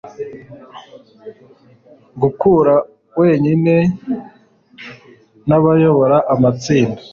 gukura wenyine, n'abayobora amatsinda